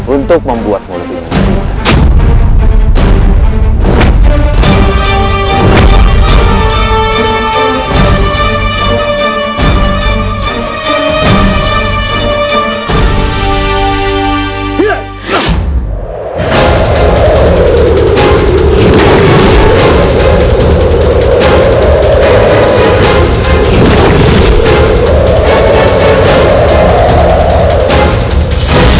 untuk membuatmu lebih mudah